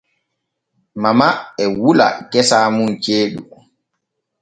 Mama e wula gese mun ceeɗu.